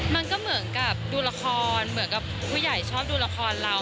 มันก็เหมือนกับดูละครเหมือนกับผู้ใหญ่ชอบดูละครเรา